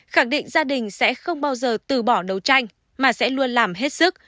khẳng định gia đình sẽ không bao giờ từ bỏ đấu tranh mà sẽ luôn làm hết sức